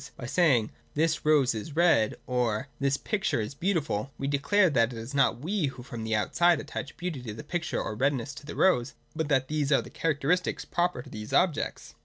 By saying ' This rose is red,' or ' This picture is beautiful,' we declare, that it is not we who from outside attach beauty to the picture or redness to the rose, but that these are the characteristics proper to these objects.